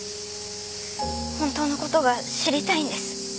本当のことが知りたいんです。